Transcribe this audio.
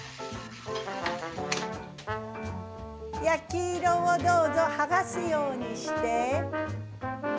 焼き色をどうぞ剥がすようにして。